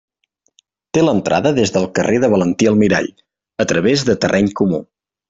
Té l'entrada des del carrer de Valentí Almirall, a través de terreny comú.